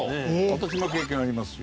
私も経験ありますよ。